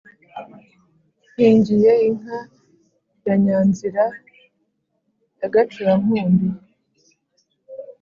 nkingiye inka ya nyanzira ya gacura-nkumbi,